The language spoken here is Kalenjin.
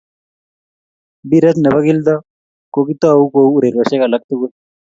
Mpiret ne bo kelto ko kitou kouu urerioshe alak tugul